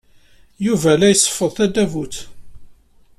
Yuba la iseffeḍ tadabut.